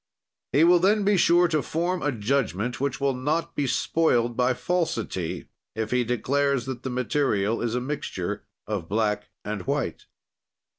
"He will then be sure to form a judgment which will not be spoiled by falsity, if he declares that the material is a mixture of black and white.